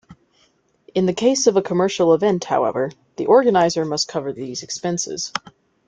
In the case of a commercial event however, the organizer must cover these expenses.